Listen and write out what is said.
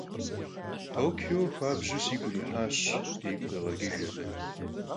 Tokio xuabju sigu yirihaş, - yigu khêğeç'ıjj abı.